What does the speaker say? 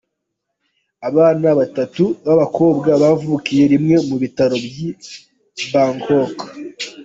Abana babatu babakobwa bavukiye rimwe mu bitaro byi Bangkok.